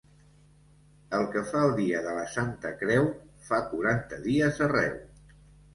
El que fa el dia de la Santa Creu, fa quaranta dies arreu.